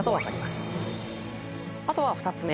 あとは２つ目。